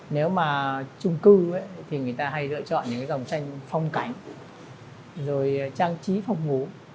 nếu mà trung cư thì người ta hay lựa chọn những cái dòng tranh phong cảnh rồi trang trí phòng ngủ